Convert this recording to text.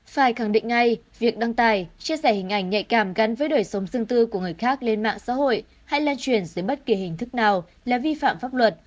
phải khẳng định ngay việc đăng tài chia sẻ hình ảnh nhạy cảm gắn với đời sống riêng tư của người khác lên mạng xã hội hay lan truyền dưới bất kỳ hình thức nào là vi phạm pháp luật